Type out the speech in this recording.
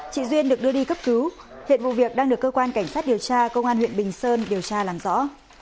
chị duyên được đưa đi cấp cứu hiện vụ việc đang được cơ quan cảnh sát điều tra công an huyện bình sơn điều tra làm rõ